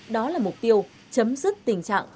đó là mục tiêu chấm dứt tình trạng